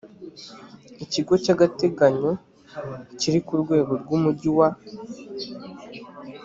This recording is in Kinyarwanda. ikigo cy agateganyo kiri ku rwego rw umujyi wa